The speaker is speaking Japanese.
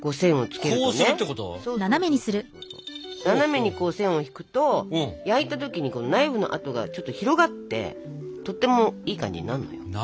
斜めにこう線を引くと焼いた時にナイフの跡がちょっと広がってとってもいい感じになるのよ。